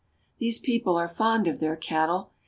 These people are fond of their cattle.